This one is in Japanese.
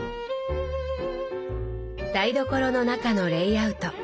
台所の中のレイアウト。